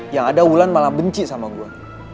yang ada ulan malah benci sama gue